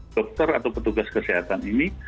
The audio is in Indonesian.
dokter atau petugas kesehatan ini